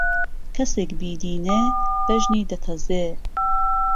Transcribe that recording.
کهسێک بيدينێ بهژنی دهتەزێ